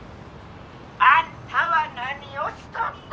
☎あんたは何をしとっと？